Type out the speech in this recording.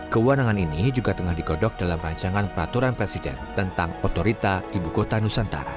kewenangan ini juga tengah digodok dalam rancangan peraturan presiden tentang otorita ibu kota nusantara